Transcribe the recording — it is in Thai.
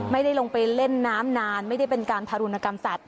ไม่ได้ลงไปเล่นน้ำนานไม่ได้เป็นการทารุณกรรมสัตว